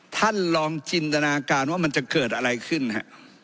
ท่านลองจินตนาการว่ามันจะเกิดอะไรขึ้นฮะ